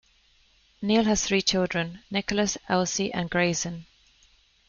Neil has three children, Nicholas, Elsie and Graysen.